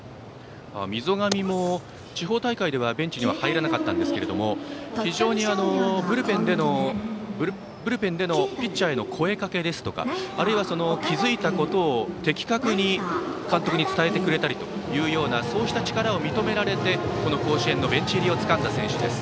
溝上も地方大会ではベンチには入らなかったんですが非常にブルペンでのピッチャーへの声かけですとかあるいは気付いたことを的確に監督に伝えてくれたりというそうした力を認められて甲子園のベンチ入りをつかんだ選手です。